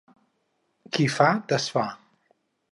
Qui fa, desfà.